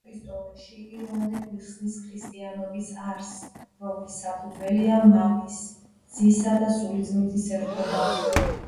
ეპისტოლეში იოანე გვიხსნის ქრისტიანობის არსს, რომლის საფუძველია მამის, ძისა და სულიწმიდის ერთობა.